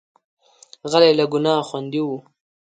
غلی، له ګناه خوندي وي.